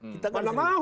kita kan sering